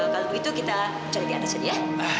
kalau begitu kita cari di atasnya ya